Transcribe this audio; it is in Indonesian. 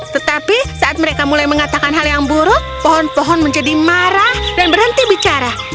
tetapi saat mereka mulai mengatakan hal yang buruk pohon pohon menjadi marah dan berhenti bicara